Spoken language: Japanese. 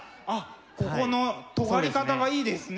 ここのとがり方がいいですね。